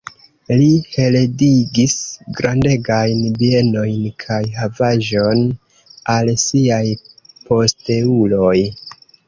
Li heredigis grandegajn bienojn kaj havaĵon al siaj posteuloj.